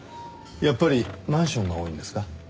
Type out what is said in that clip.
やっぱりマンションが多いんですか？